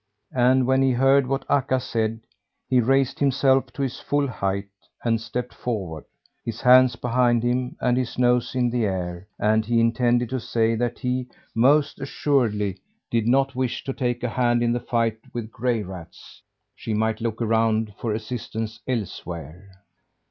And when he heard what Akka said, he raised himself to his full height and stepped forward, his hands behind him and his nose in the air, and he intended to say that he, most assuredly, did not wish to take a hand in the fight with gray rats. She might look around for assistance elsewhere.